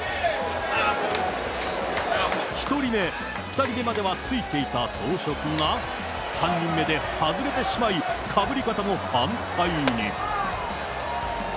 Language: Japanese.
１人目、２人目まではついていた装飾が、３人目で外れてしまい、かぶり方も反対に。